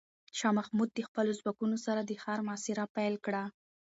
شاه محمود د خپلو ځواکونو سره د ښار محاصره پیل کړه.